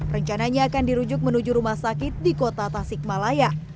rencananya akan dirujuk menuju rumah sakit di kota tasikmalaya